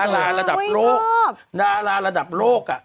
ลาลาราดับโลก